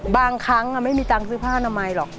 บางครั้งไม่มีตังค์ซื้อผ้าอนามัยหรอก